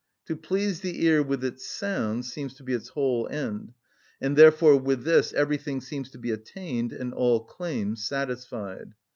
To please the ear with its sound seems to be its whole end, and therefore with this everything seems to be attained and all claims satisfied.